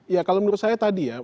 ya kalau menurut saya tadi ya